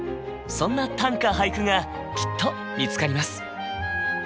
そんな短歌・俳句がきっと見つかります。